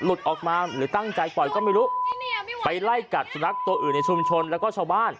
ออกมาหรือตั้งใจปล่อยก็ไม่รู้ไปไล่กัดสุนัขตัวอื่นในชุมชนแล้วก็ชาวบ้าน